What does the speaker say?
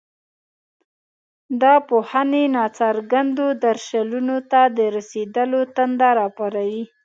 دا پوهنې ناڅرګندو درشلونو ته د رسېدلو تنده راپاروي.